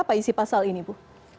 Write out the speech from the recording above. apa isi pasal ini bu